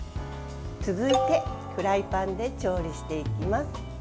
続いて、フライパンで調理していきます。